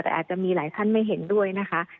แต่อาจจะมีหลายท่านไม่เห็นด้วยนะคะ